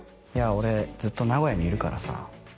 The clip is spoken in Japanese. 「いや俺ずっと名古屋にいるからさ」